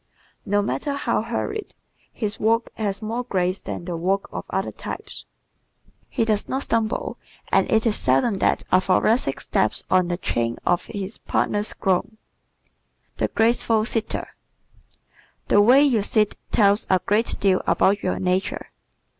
No matter how hurried, his walk has more grace than the walk of other types. He does not stumble; and it is seldom that a Thoracic steps on the train of his partner's gown. The Graceful Sitter ¶ The way you sit tells a great deal about your nature.